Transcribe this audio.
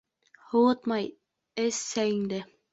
Һыуытмай эс сәйеңде...